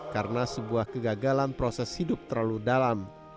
karena sebuah kegagalan proses hidup terlalu dalam